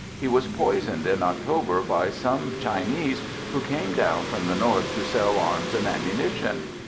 "He was poisoned in October by some Chinese who came down from the north to sell arms and ammunition.